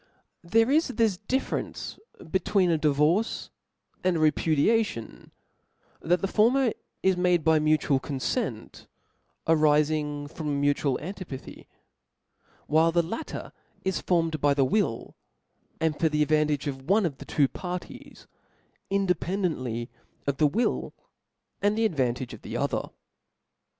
B601C nPHERE is this difference between a dirorrt ch^^^' ^"^^ repudiation, that the former is made by '^* mutual confcnt arifmg from a mutual antipathy ; while the latter is formed, by the will and for the advantage of one of the two parties, inde pendently of the will and advantage of the other.